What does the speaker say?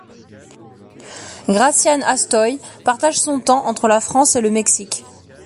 Gracianne Hastoy partage son temps entre la France et le Mexique.